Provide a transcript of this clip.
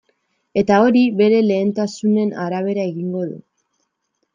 Eta hori bere lehentasunen arabera egingo du.